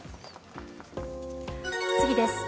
次です。